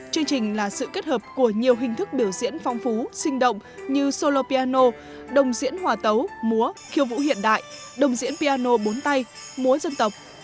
chương trình là sự kết hợp của nhiều hình thức biểu diễn phong phú sinh động như solo piano đồng diễn hòa tấu múa khiêu vũ hiện đại đồng diễn piano bốn tay múa dân tộc